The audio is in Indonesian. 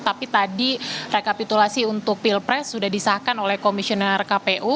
tapi tadi rekapitulasi untuk pilpres sudah disahkan oleh komisioner kpu